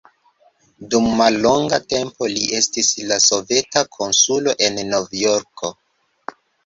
Dum mallonga tempo li estis la soveta konsulo en Novjorko.